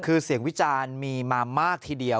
คือเสียงวิจารณ์มีมามากทีเดียว